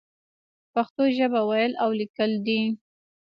پښتو ژبه ويل او ليکل دې.